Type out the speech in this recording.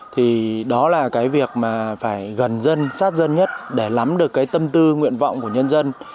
thì đó là cái việc mà phải gần dân sát dân nhất để lắm được cái tâm tư nguyện vọng của nhân dân